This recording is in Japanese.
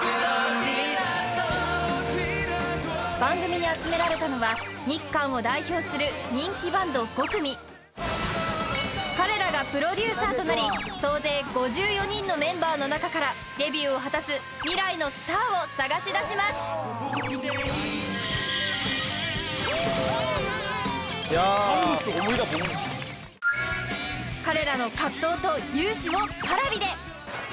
番組に集められたのは日韓を代表する人気バンド５組彼らがプロデューサーとなり総勢５４人のメンバーの中からデビューを果たす未来のスターを探しだします彼らの葛藤と勇姿をＰａｒａｖｉで！